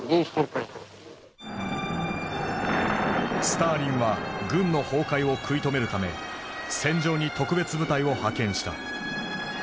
スターリンは軍の崩壊を食い止めるため戦場に特別部隊を派遣した。